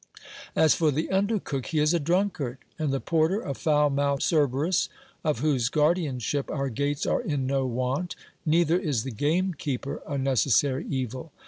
As for the under cook, he is a drunkard, and the porter a foul mouthed Cerberus, of whose guardianship our gates are in no want ; neither is the gamekeeper a necessary evil.